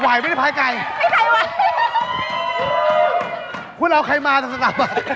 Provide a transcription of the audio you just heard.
ไหวไม่ได้พายไก่ไม่เคยไหวคุณเล่าใครมาจังสำหรับ